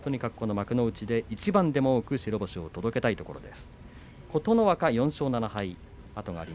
幕内で一番でも多く白星を届けたいところです。